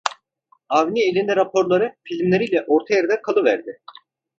Avni elinde raporları, filmleri ile orta yerde kalıverdi.